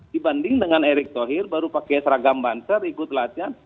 dibanding dengan erick thohir baru pakai seragam banser ikut latihan